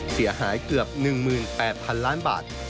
เสียหายเกือบ๑๘๐๐๐ล้านบาท